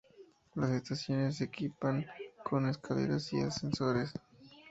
Las estaciones se equipan con escaleras y ascensores.